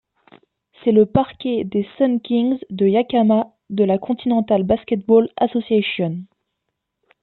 C'est le parquet des Sun Kings de Yakama de la Continental Basketball Association.